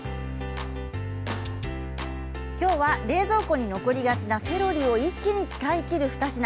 今日は冷蔵庫に残りがちなセロリを一気に使い切る２品。